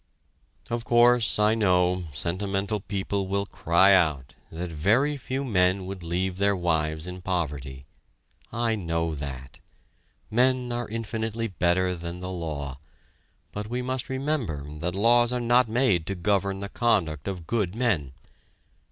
Of course, I know, sentimental people will cry out, that very few men would leave their wives in poverty I know that; men are infinitely better than the law, but we must remember that laws are not made to govern the conduct of good men.